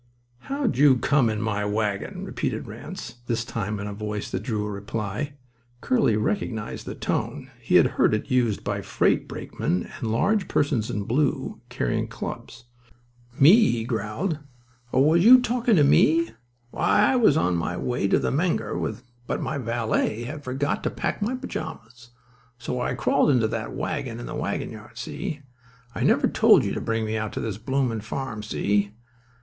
"How'd you come in my wagon?" repeated Ranse, this time in a voice that drew a reply. Curly recognised the tone. He had heard it used by freight brakemen and large persons in blue carrying clubs. "Me?" he growled. "Oh, was you talkin' to me? Why, I was on my way to the Menger, but my valet had forgot to pack my pyjamas. So I crawled into that wagon in the wagon yard—see? I never told you to bring me out to this bloomin' farm—see?"